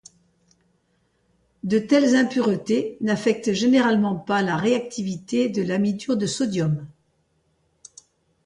De telles impuretés n'affectent généralement pas la réactivité de l'amidure de sodium.